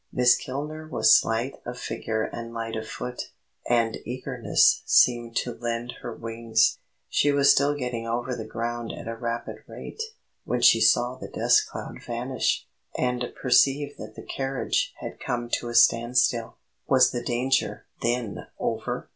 Miss Kilner was slight of figure and light of foot, and eagerness seemed to lend her wings. She was still getting over the ground at a rapid rate, when she saw the dust cloud vanish, and perceived that the carriage had come to a stand still. Was the danger, then, over?